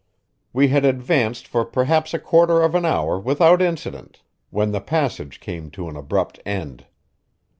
We had advanced for perhaps a quarter of an hour without incident when the passage came to an abrupt end.